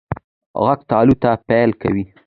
غوږ تالو ته پایل کوي.